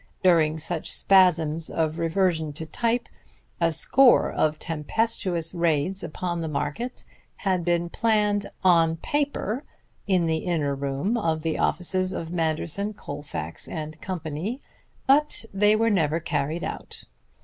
During such spasms of reversion to type a score of tempestuous raids upon the market had been planned on paper in the inner room of the offices of Manderson, Colefax and Company. But they were never carried out.